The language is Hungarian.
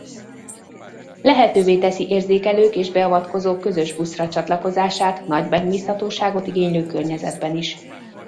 Lehetővé teszi érzékelők és beavatkozók közös buszra csatlakozását nagy megbízhatóságot igénylő környezetben is.